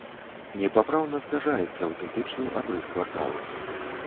Непапраўна скажаецца аўтэнтычны абрыс кварталу.